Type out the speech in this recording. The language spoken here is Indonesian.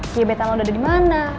giliran lo udah dimana